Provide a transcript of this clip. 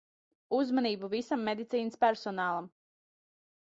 Uzmanību visam medicīnas personālam.